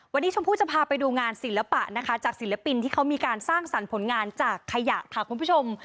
วันนี้ชมพู่จะพาไปดูงานศิลปะนะคะจากศิลปินที่เขามีการสร้างสรรค์ผลงานจากขยะค่ะคุณผู้ชม